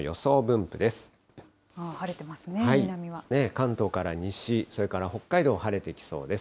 関東から西、それから北海道、晴れてきそうです。